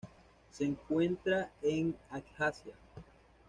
Se encuentra en Abjasia.